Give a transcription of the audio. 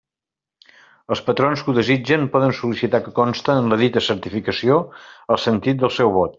Els patrons que ho desitgen poden sol·licitar que conste en la dita certificació el sentit del seu vot.